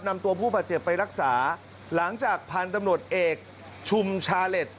นำตัวผู้บาดเจ็บไปรักษาหลังจากพันธุ์ตำรวจเอกชุมชาเล็ต